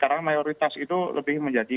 karena mayoritas itu lebih menjadi